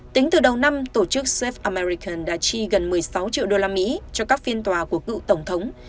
tính từ đầu năm tổ chức sep american đã chi gần một mươi sáu triệu đô la mỹ cho các phiên tòa của cựu tổng thống